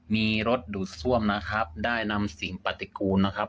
มีรถดูดซ่วมนะครับได้นำสิ่งปฏิกูลนะครับ